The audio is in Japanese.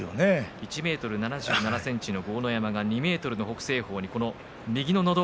１ｍ７７ｃｍの豪ノ山が２ｍの北青鵬に右ののど輪。